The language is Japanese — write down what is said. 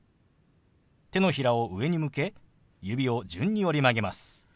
手のひらを上に向け指を順に折り曲げます。